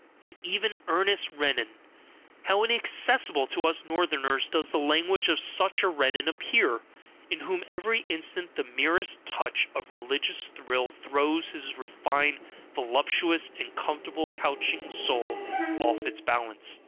And even Ernest Renan: how inaccessible to us Northerners does the language of such a Renan appear, in whom every instant the merest touch of religious thrill throws his refined voluptuous and comfortably couching soul off its balance!